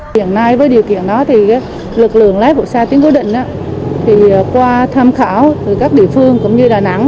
hiện nay với điều kiện đó thì lực lượng lái vụ xa tiếng cố định qua tham khảo từ các địa phương cũng như đà nẵng